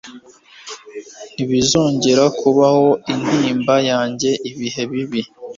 Ntibizongera kubaho intimba yanjye ibihe bibi;